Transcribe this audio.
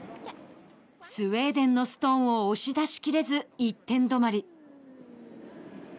スウェーデンのストーンを押し出しきれず１点どまり。